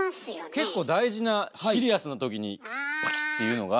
結構大事なシリアスな時にパキッていうのが。